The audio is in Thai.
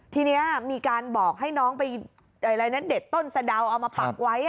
ทีนี้มีการบอกให้น้องไปอะไรนะเด็ดต้นสะดาวเอามาปักไว้